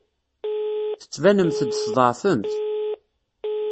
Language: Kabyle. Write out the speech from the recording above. Tettbanemt-d tḍeɛfemt.